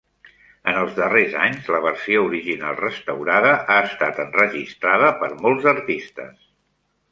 En els darrers anys, la versió original restaurada ha estat enregistrada per molts artistes.